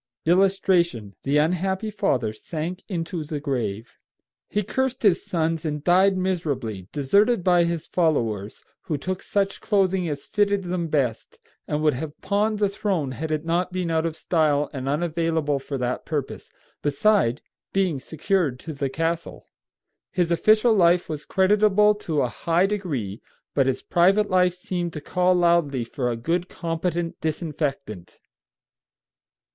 [Illustration: THE UNHAPPY FATHER SANK INTO THE GRAVE.] He cursed his sons and died miserably, deserted by his followers, who took such clothing as fitted them best, and would have pawned the throne had it not been out of style and unavailable for that purpose, beside being secured to the castle. His official life was creditable to a high degree, but his private life seemed to call loudly for a good, competent disinfectant.